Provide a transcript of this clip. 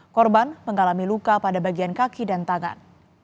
korban mengalami luka pada bagian kaki dan tangan